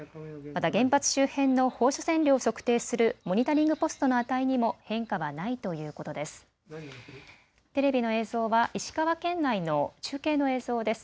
また原発周辺の放射線量を測定するモニタリングポストの値にも変化はないということです。